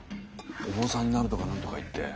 お坊さんになるとか何とか言って。